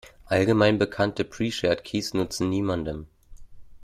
Allgemein bekannte Pre-shared keys nutzen niemandem.